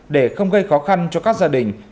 để không gây khó khăn cho các gia đình